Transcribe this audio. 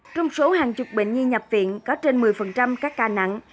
trong số hàng chục bệnh nhi nhập viện có trên một mươi các ca nặng